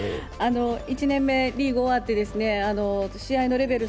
１年目、リーグ終わって試合のレベル